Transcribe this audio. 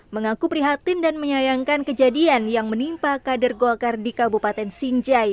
mengaku prihatin dan menyayangkan kejadian yang menimpa kader golkar di kabupaten sinjai